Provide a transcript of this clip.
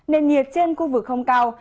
nền nhiệt trên khu vực không cao